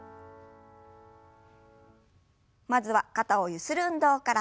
まずは肩をゆする運動から。